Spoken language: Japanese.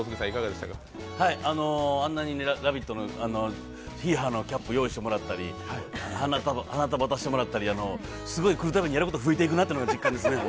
あんなに「ラヴィット！」のヒーハーのキャップ用意してもらったり花束してもらったり、すごい来るたびにやること増えていくなという感じですね。